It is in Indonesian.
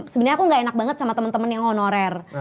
sebenernya aku gak enak banget sama temen temen yang honorer